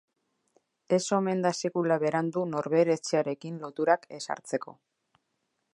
Ez omen da sekula berandu norbere etxearekin loturak ezartzeko.